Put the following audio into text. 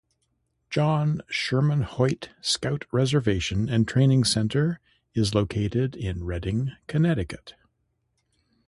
John Sherman Hoyt Scout Reservation and Training Center is located in Redding, Connecticut.